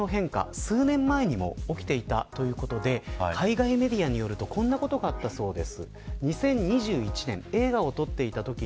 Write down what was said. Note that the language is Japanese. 数年前にも起きていたということで海外メディアによるとこんなことがあったそうです。